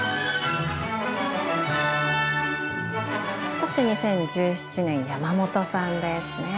そして２０１７年山元さんですね。